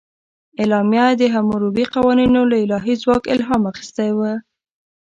اعلامیه د حموربي قوانینو له الهي ځواک الهام اخیستی و.